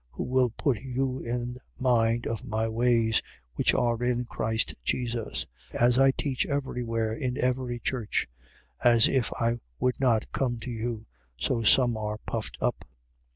Who will put you in mind of my ways, which are in Christ Jesus: as I teach every where in every church. 4:18. As if I would not come to you, so some are puffed up.